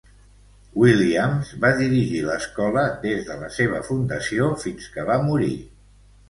Williams va dirigir l'escola des de la seva fundació fins que va morir.